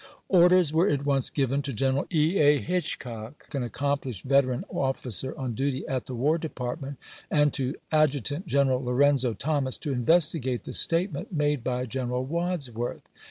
Orders were at once given to General E. A. Hitchcock, an accomplished veteran officer on duty at the War Department, and to Ad jutant General Lorenzo Thomas, to investigate the statement made by General Wads worth.